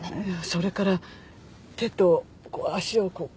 それから手と足をこうクッて。